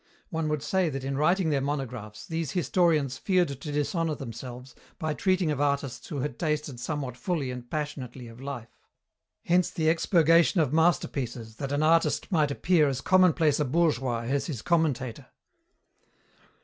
One would say that in writing their monographs these historians feared to dishonour themselves by treating of artists who had tasted somewhat fully and passionately of life. Hence the expurgation of masterpieces that an artist might appear as commonplace a bourgeois as his commentator.